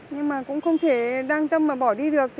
nhưng mà cũng không thể đăng tâm mà bỏ đi được